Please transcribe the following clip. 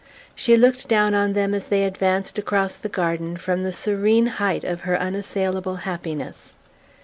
She looked down on them, as they advanced across the garden, from the serene height of her unassailable happiness.